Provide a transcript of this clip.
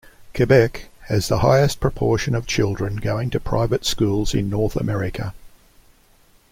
Quebec has the highest proportion of children going to private schools in North America.